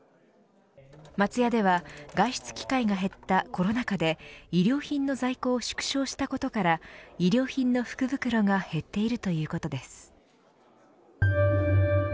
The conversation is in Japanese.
松屋では外出機会が減ったコロナ禍で衣料品の在庫を縮小したことから衣料品の福袋が減っているということです。